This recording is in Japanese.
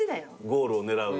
ゴールを狙う。